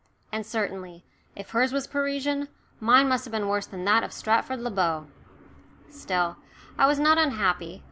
And certainly, if hers was Parisian, mine must have been worse than that of Stratford le Bow! Still, I was not unhappy.